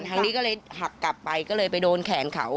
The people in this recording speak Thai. ทางนี้ก็เลยหักกลับไปก็เลยไปโดนแขนเขา